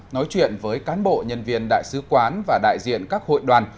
nói chuyện với cán bộ nhân viên đại sứ quán và đại diện các hội đoàn